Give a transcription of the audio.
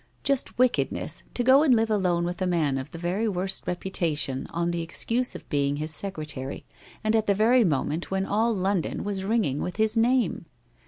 Just wickedness, to go and live alone with a man of the very worst reputation on the excuse of being his secretary, and at the very moment when all London was ringing with his name